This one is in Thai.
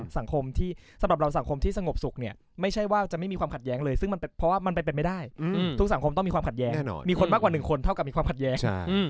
สังคมที่สำหรับเราสังคมที่สงบสุขเนี่ยไม่ใช่ว่าจะไม่มีความขัดแย้งเลยซึ่งมันเพราะว่ามันเป็นไม่ได้ทุกสังคมต้องมีความขัดแย้งมีคนมากกว่า๑คนเท่ากับมีความขัดแย้ง